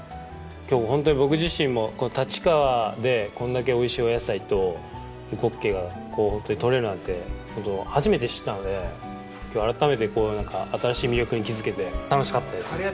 今日ホントに僕自身も立川でこんだけおいしいお野菜とうこっけいがホントに採れるなんてホント初めて知ったので今日改めてこうなんか新しい魅力に気づけて楽しかったです。